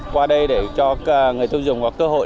qua đây để cho người tiêu dùng có cơ hội